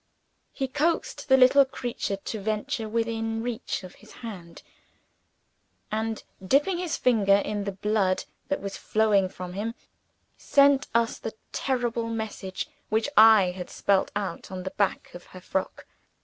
He coaxed the little creature to venture within reach of his hand; and, dipping his finger in the blood that was flowing from him, sent us the terrible message which I had spelt out on the back of her frock.